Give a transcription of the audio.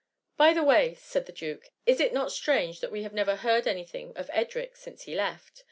" By the way,^ said the duke> " is it not strange that we have never heard any thing of Edric since he left?